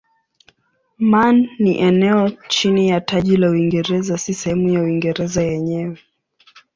Man ni eneo chini ya taji la Uingereza si sehemu ya Uingereza yenyewe.